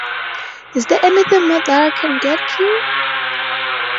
Is there anything more that I can get you?